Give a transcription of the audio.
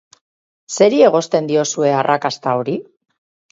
Zeri egozten diozue arrakasta hori?